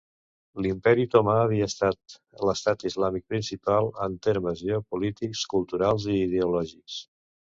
L'Imperi otomà havia estat l'estat islàmic principal en termes geopolítics, culturals i ideològics.